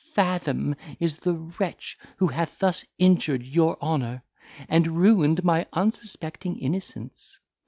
Fathom is the wretch who hath thus injured your honour, and ruined my unsuspecting innocence.